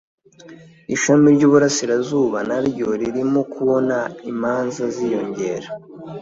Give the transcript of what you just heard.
ishami ry'iburasirazuba naryo ririmo kubona imanza ziyongera